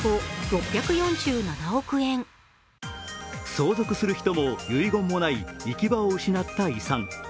相続する人も遺言もない行き場を失った遺産。